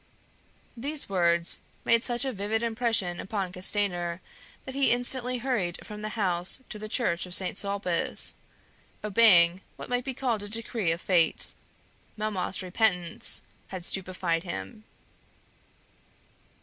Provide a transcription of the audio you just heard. These words made such a vivid impression upon Castanier that he instantly hurried from the house to the Church of Saint Sulpice, obeying what might be called a decree of fate. Melmoth's repentance had stupefied him.